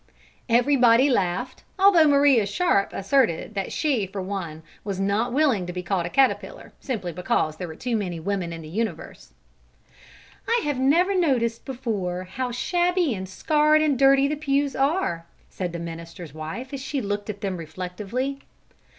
Everybody laughed, although Maria Sharp asserted that she for one was not willing to be called a caterpillar simply because there were too many women in the universe. "I never noticed before how shabby and scarred and dirty the pews are," said the minister's wife as she looked at them reflectively.